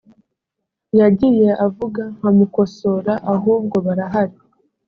yagiye avuga nkamukosora ahubwo barahari